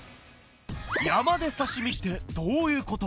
山で刺し身ってどういうこと？